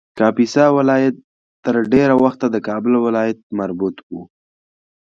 کاپیسا ولایت تر ډېر وخته د کابل ولایت مربوط و